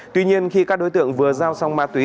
tuy nhiên khi các đối tượng vừa giao xong ma túy